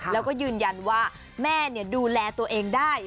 แล้วก็ยืนยันว่าแม่ดูแลตัวเองได้